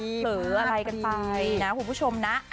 พิมพ์พูดอยู่สินะคุณผู้ชม